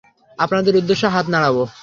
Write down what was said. আপনাদের উদ্দেশ্যে হাত নাড়াবো।